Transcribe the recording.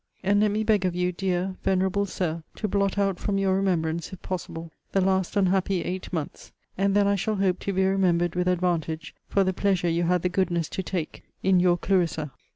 And let me beg of you, dear, venerable Sir, to blot out from your remembrance, if possible, the last unhappy eight months; and then I shall hope to be remembered with advantage for the pleasure you had the goodness to take in your Clarissa.